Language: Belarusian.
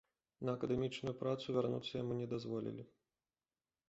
На акадэмічную працу вярнуцца яму не дазволілі.